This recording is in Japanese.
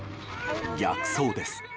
逆走です。